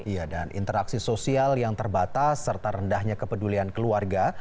iya dan interaksi sosial yang terbatas serta rendahnya kepedulian keluarga